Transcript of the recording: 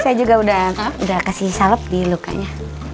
saya juga udah kasih salep di loka nya